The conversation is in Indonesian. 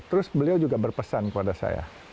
terus beliau juga berpesan kepada saya